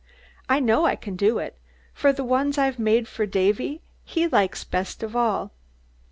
I know I can do it, for the ones I've made for Davy he likes best of all.